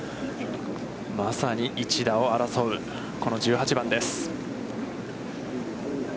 まさに１打を争う、この１８番です。